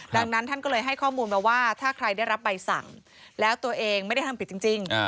ดังนั้นท่านก็เลยให้ข้อมูลมาว่าถ้าใครได้รับใบสั่งแล้วตัวเองไม่ได้ทำผิดจริง